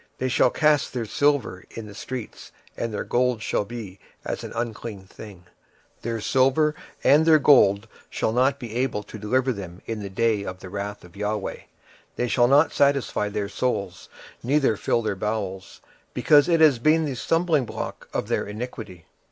26:007:019 They shall cast their silver in the streets, and their gold shall be removed: their silver and their gold shall not be able to deliver them in the day of the wrath of the LORD: they shall not satisfy their souls, neither fill their bowels: because it is the stumblingblock of their iniquity.